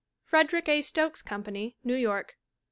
Frederick A. Stokes Company, New York.